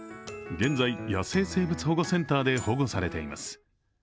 現在、野生生物保護センターで保護されています。